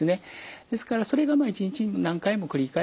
ですからそれが一日何回も繰り返して起こる。